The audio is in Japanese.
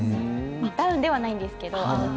ダウンではないんですけど。